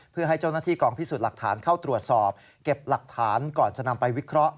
เก็บหลักฐานเข้าตรวจสอบเก็บหลักฐานก่อนจะนำไปวิเคราะห์